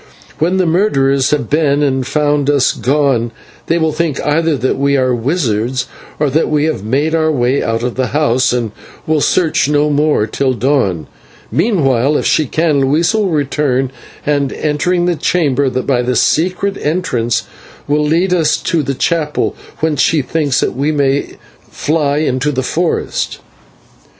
When the murderers have been, and found us gone, they will think either that we are wizards or that we have made our way out of the house, and will search no more till dawn. Meanwhile, if she can, Luisa will return, and, entering the chamber by the secret entrance, will lead us to the chapel, whence she thinks that we may fly into the forest."